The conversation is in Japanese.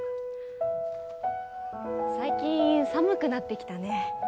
最近、寒くなってきたね。